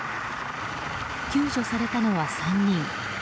救助されたのは３人。